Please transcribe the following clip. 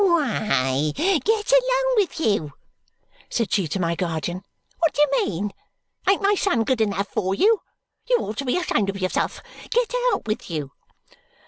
"Why, get along with you," said she to my guardian, "what do you mean? Ain't my son good enough for you? You ought to be ashamed of yourself. Get out with you!"